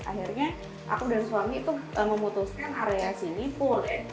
akhirnya aku dan suami tuh memutuskan area sini pull ya